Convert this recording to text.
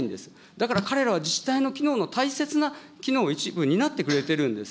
だから彼らは自治体の機能の大切な機能の一部を担ってくれてるんです。